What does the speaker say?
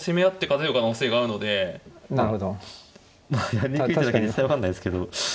やりにくい手だけに実際分かんないですけど。